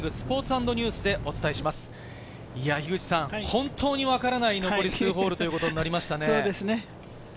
本当に分からない残り９ホールということになりましたね。